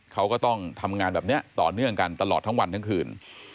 เขาก็ต้องทำงานแบบนี้ต่อเนื่องกันตลอดทั้งวันทั้งคืน